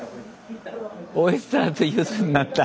オイスターとゆずになった。